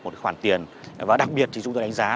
một khoản tiền và đặc biệt thì chúng tôi đánh giá